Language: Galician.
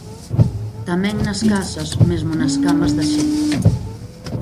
Tamén nas casas, mesmo nas camas da xente.